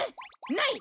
ない！